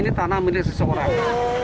ini tanah milik seseorang